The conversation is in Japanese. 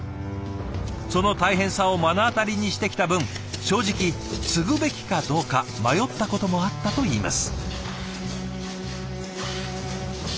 その大変さを目の当たりにしてきた分正直継ぐべきかどうか迷ったこともあったといいます。